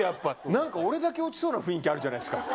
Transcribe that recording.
なんか、俺だけ落ちそうな雰囲気あるじゃないですか。